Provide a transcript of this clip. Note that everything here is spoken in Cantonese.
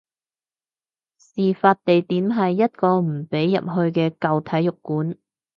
事發地點係一個唔俾入去嘅舊體育館